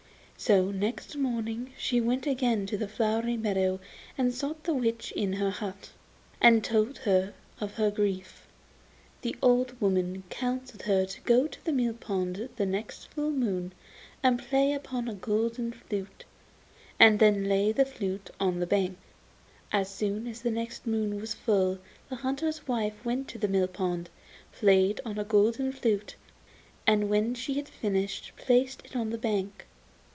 So next morning she went again to the flowery meadow and sought the witch in her hut, and told her of her grief. The old woman counselled her to go to the mill pond the next full moon and play upon a golden flute, and then to lay the flute on the bank. As soon as the next moon was full the hunter's wife went to the mill pond, played on a golden flute, and when she had finished placed it on the bank.